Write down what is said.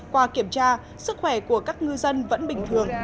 qua kiểm tra sức khỏe của các ngư dân vẫn bình thường ổn định